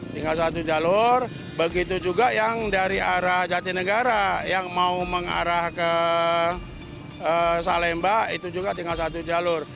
tinggal satu jalur begitu juga yang dari arah jatinegara yang mau mengarah ke salemba itu juga tinggal satu jalur